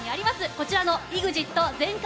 こちらのＥＸＩＴの全開！！